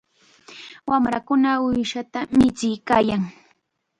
Wamrakuna uushata michiykaayan.